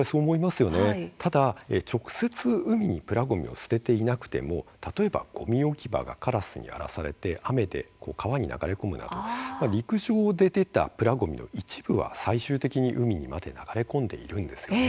直接、海にプラごみを捨てていなくても例えばごみ置き場がカラスに荒らされ川に流れ込むなど、陸上で出たごみの一部は最終的に海まで流れ込んでいます。